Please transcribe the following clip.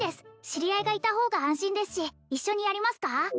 知り合いがいた方が安心ですし一緒にやりますか？